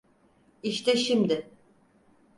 İşte şimdi.